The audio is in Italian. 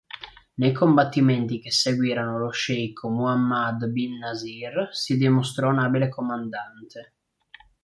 Nei combattimenti che seguirono lo sceicco Muhammad bin Nasir si dimostrò un abile comandante.